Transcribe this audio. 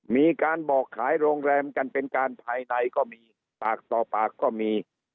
มีการบอกขายโรงแรมกันเป็นการภายในก็มีปากต่อปากก็มี